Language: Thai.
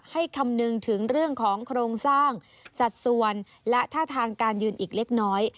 คำนึงถึงเรื่องของโครงสร้างสัดส่วนและท่าทางการยืนอีกเล็กน้อย